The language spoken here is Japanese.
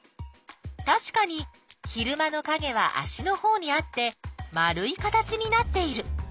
たしかに昼間のかげは足のほうにあって丸い形になっている。